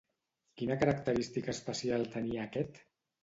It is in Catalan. Quina característica especial tenia aquest?